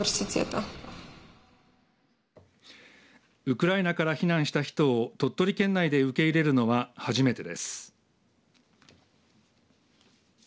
ウクライナから避難した人を鳥取県内で受け入れるのは初めてです。